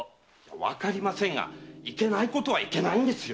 わかりませんがいけないことはいけないんですよ。